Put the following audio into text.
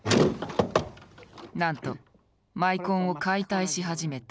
なんとマイコンを解体し始めた。